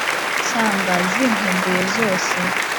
nsanga zinkumbuye zose